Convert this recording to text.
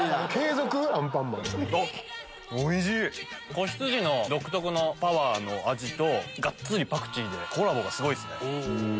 仔羊の独特のパワーの味とガッツリパクチーでコラボがすごいっすね。